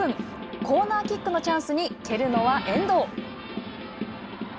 コーナーキックのチャンスに蹴るのは遠藤。